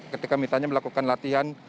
ketika misalnya melakukan latihan